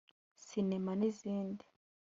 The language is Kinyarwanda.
’Cinema’ n’izindi